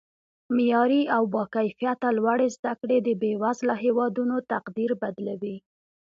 معیاري او با کیفته لوړې زده کړې د بیوزله هیوادونو تقدیر بدلوي